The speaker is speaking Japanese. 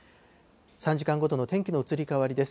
３時間ごとの天気の移り変わりです。